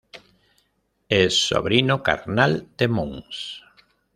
Es sobrino carnal de Mons.